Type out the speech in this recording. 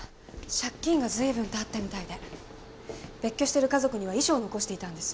借金が随分とあったみたいで別居してる家族には遺書を残していたんです。